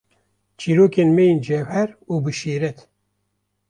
Çîrokên me yê cewher û bi şîret.